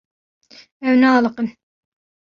Ew naaliqin.